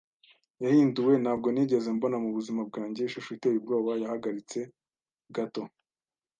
yahinduwe. Ntabwo nigeze mbona mubuzima bwanjye ishusho iteye ubwoba. Yahagaritse gato